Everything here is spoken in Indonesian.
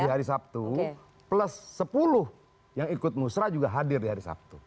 di hari sabtu plus sepuluh yang ikut musrah juga hadir di hari sabtu